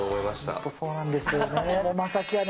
本当、そうなんですよね。